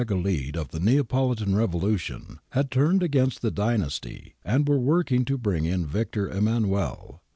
galit<§ of the Neapolitan revolution) had turned against the dynasty, and were working to bring in Victor Emmanuel.